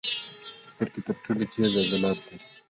سترګې تر ټولو تېز عضلات لري.